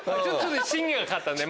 審議がかかったんで。